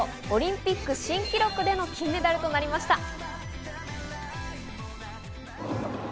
オリンピック新記録での金メダルとなりました。